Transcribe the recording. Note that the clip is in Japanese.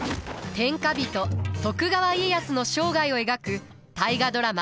天下人徳川家康の生涯を描く大河ドラマ